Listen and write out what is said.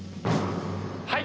はい。